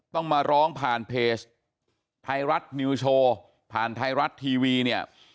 ต้องมาร้องผ่านเพจไทยรัฐนิวโชว์ผ่านไทยรัฐทีวีเนี่ย